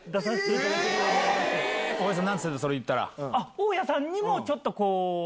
大家さんにもちょっと。